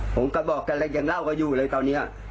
ผมก็บอกกันเลยยังเล่ากันอยู่เลยตอนนี้